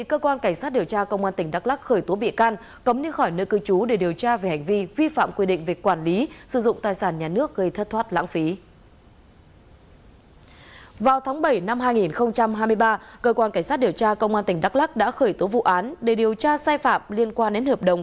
công an tỉnh đắk lắc đã khởi tố vụ án để điều tra sai phạm liên quan đến hợp đồng